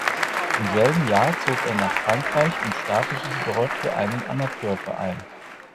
Im selben Jahr zog er nach Frankreich und startete dort für einen Amateurverein.